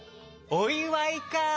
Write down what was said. おいわいか。